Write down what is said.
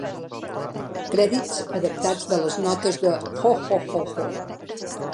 Crèdits adaptats de les notes de "Ho Ho Ho".